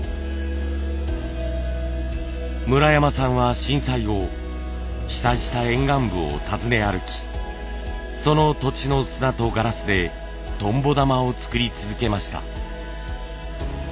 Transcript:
村山さんは震災後被災した沿岸部を訪ね歩きその土地の砂とガラスでとんぼ玉を作り続けました。